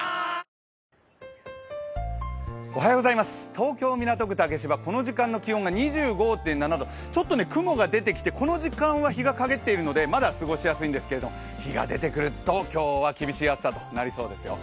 東京・港区竹芝、この時間の気温が２５．７度、ちょっと雲が出てきてこの時間は日が陰っているのでまだ過ごしやすいんですけど日が出てくると今日は厳しい暑さとなりそうですよ。